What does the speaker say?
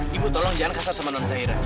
jiwi tolong jangan kasar sama mas zairah